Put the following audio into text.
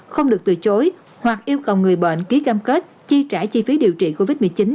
không được từ chối hoặc yêu cầu người bệnh ký cam kết chi trả chi phí điều trị covid một mươi chín